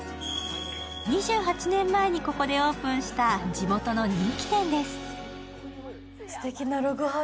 ２８年前にここでオープンした地元の人気店です。